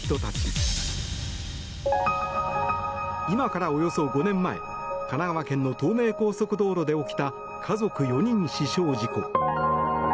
今からおよそ５年前神奈川県の東名高速道路で起きた家族４人死傷事故。